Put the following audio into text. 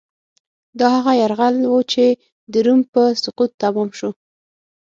دا هغه یرغل و چې د روم په سقوط تمام شو.